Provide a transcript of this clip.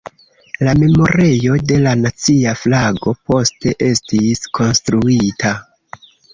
La Memorejo de la Nacia Flago poste estis konstruita.